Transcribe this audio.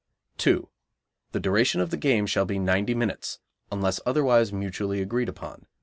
2. The duration of the game shall be ninety minutes, unless otherwise mutually agreed upon.